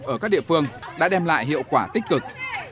ở các địa phương đã đem lại hiệu quả tích cực